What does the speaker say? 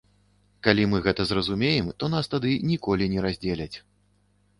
Калі мы гэта зразумеем, то нас тады ніколі не раздзеляць.